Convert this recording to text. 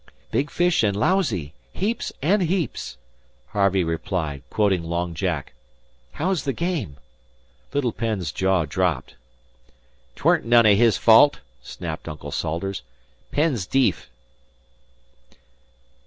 "Big fish and lousy heaps and heaps," Harvey replied, quoting Long Jack. "How's the game?" Little Penn's jaw dropped. "'Tweren't none o' his fault," snapped Uncle Salters. "Penn's deef."